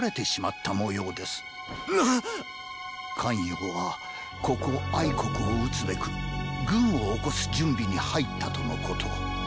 ⁉咸陽はここ国を討つべく軍を興す準備に入ったとのこと。